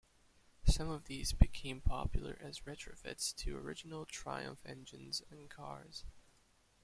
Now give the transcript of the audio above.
Some of these became popular as retrofits to original Triumph engines and cars.